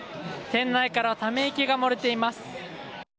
店内からはため息が漏れています。